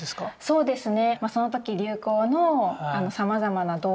そうですね。